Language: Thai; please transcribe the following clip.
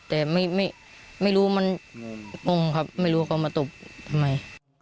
แต่ไม่ไม่ไม่รู้มันงงครับไม่รู้เขามาตบทำไม